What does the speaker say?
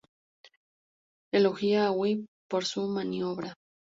Elogia a Whip por su maniobra.